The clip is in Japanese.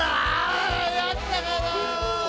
やったがな！